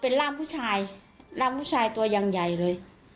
เป็นร่ามผู้ชายร่างผู้ชายตัวอย่างใหญ่เลย